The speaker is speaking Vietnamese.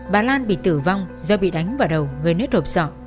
bà lan bị tử vong do bị đánh vào đầu gây nết hộp sọ